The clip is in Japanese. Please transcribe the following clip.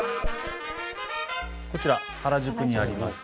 こちら原宿にあります